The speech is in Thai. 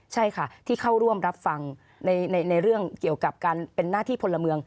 ใช่ค่ะที่เข้าร่วมรับฟังในเรื่องเกี่ยวกับการเป็นหน้าที่พลเมือง